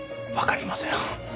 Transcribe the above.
わかりません。